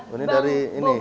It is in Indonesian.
ini dari ini